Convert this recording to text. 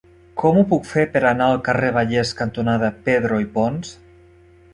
Com ho puc fer per anar al carrer Vallès cantonada Pedro i Pons?